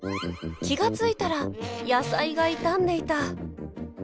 気が付いたら野菜が傷んでいた。